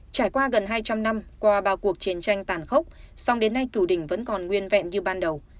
trải qua gần hai trăm linh năm qua bao cuộc chiến tranh tàn khốc song đến nay cửu đình vẫn còn nguyên vẹn như ban đầu